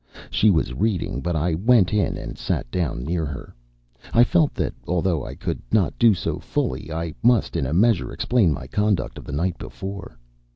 She was reading, but I went in and sat down near her. I felt that, although I could not do so fully, I must in a measure explain my conduct of the night before.